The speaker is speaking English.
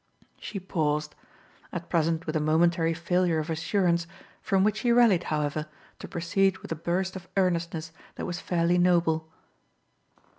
She paused at present with a momentary failure of assurance, from which she rallied, however, to proceed with a burst of earnestness that was fairly noble.